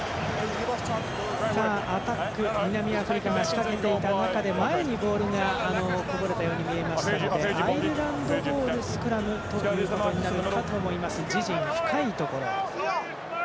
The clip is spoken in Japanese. アタック、南アフリカが仕掛けていた中で前にボールがこぼれたように見えましたのでアイルランドボールスクラムということになるかと思います。